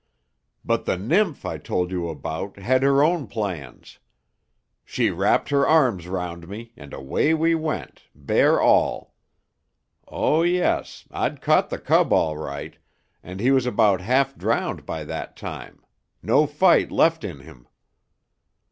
But the nymph I told you about had her own plans. She wrapped her arms round me, and away we went, bear all. Oh, yes, I'd caught the cub all right, and he was about half drowned by that time no fight left in him.